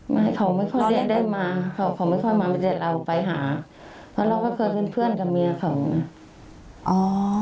ไม่เขาไม่ค่อยเลี้ยนได้มาเขาไม่ค่อยมาเลี้ยนเราไปหาเพราะเราก็เคยเพื่อนเพื่อนกับเมียเขานะอ๋อ